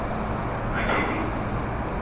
Ànji dud